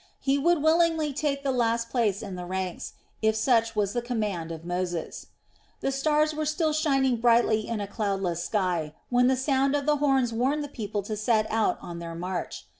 He would willingly take the last place in the ranks, if such was the command of Moses. The stars were still shining brightly in a cloudless sky when the sound of the horns warned the people to set out on their march.